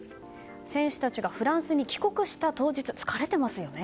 選手たちがフランスに帰国した当日疲れていますよね。